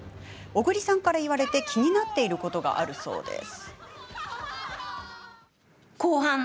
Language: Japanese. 小栗さんから言われて気になっていることがあるそうです。